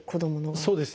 そうですね。